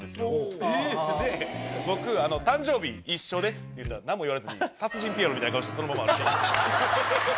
で「僕誕生日一緒です」って言ったら何も言われずに殺人ピエロみたいな顔してそのまま歩いて。